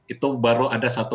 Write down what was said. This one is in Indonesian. itu baru ada satu